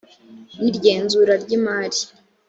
n igenzura ry imari